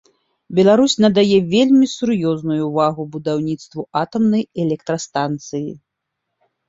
Беларусь надае вельмі сур'ёзную ўвагу будаўніцтву атамнай электрастанцыі.